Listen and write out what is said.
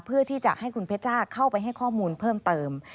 เพื่อที่จะให้คุณเพชจ้าเข้าไปให้ข้อมูลเพิ่มเติม